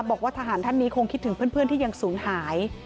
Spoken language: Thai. บอกว่าทหารท่านนี้คงคิดถึงเพื่อนที่ยังศูนย์หาย